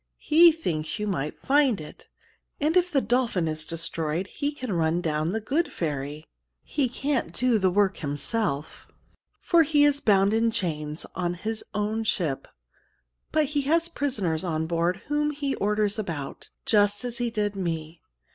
He thinks you might find it, and if the dolphin is destroyed, he can run down The Good Ferry. He can't do the work himself, for he is bound in chains on his own ship, but he has prisoners on board whom he orders about, just as he did me.